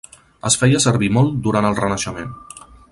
Es feia servir molt durant el Renaixement.